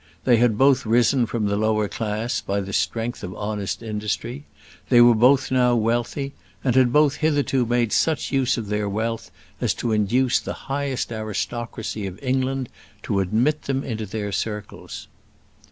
They had both risen from the lower class by the strength of honest industry: they were both now wealthy, and had both hitherto made such use of their wealth as to induce the highest aristocracy of England to admit them into their circles.